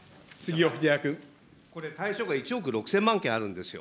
これ対象が１億６０００万件あるんですよ。